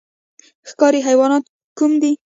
ښکاري حیوانات کوم دي؟